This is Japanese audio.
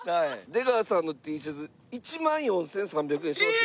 出川さんのＴシャツ１万４３００円しますよ。